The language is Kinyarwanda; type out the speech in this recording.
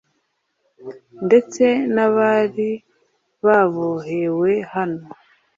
ndetse n`abari babohewe hano